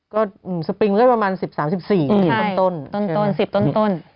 ก็สปริงมันก็ประมาณ๑๐๓๔องศาตนต้น